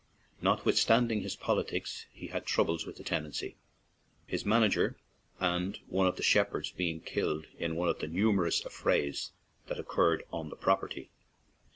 Notwithstanding his politics, he had troubles with the tenantry, his manager and one of the shepherds being killed in one of the numerous affrays that occurred on the property.